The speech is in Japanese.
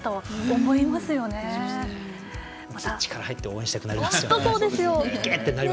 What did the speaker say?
つい力が入って応援したくなりますね。